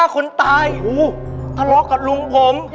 ครับผม